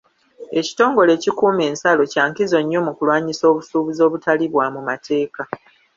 Ekitongole ekikuuma ensalo kya nkizo nnyo mu kulwanyisa obusuubuzi obutali bwa mu mateeka.